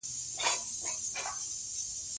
ښکاره دوښمن د منافق له دوستۍ څخه غوره دئ!